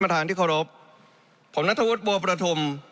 ท่านที่เคารพผมนัทธวุฒิบัวประธุม